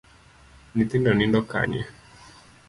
Nyithindo nindo kanye?